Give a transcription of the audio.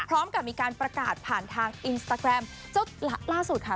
พร้อมกับมีการประกาศผ่านทางอินสตาแกรมเจ้าล่าสุดค่ะ